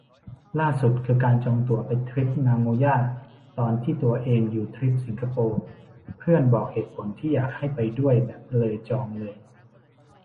ล่าสุดคือการจองตั๋วไปทริปนาโงย่าตอนที่ตัวเองอยู่ทริปสิงคโปร์ เพื่อนบอกเหตุผลที่อยากให้ไปด้วยแบบ เลยจองเลย